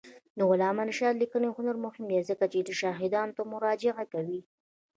د علامه رشاد لیکنی هنر مهم دی ځکه چې شاهدانو ته مراجعه کوي.